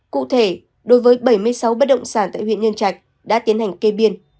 cụ thể đối với bảy mươi sáu bất động sản tại huyện nhân trạch đã tiến hành kê biên